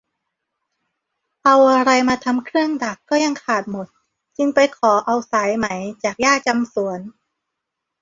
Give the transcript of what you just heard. เอาอะไรมาทำเครื่องดักก็ยังขาดหมด จึงไปขอเอาสายไหม จากย่าจำสวน